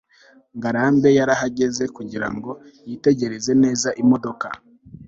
ngarambe yarahagaze kugira ngo yitegereze neza imodoka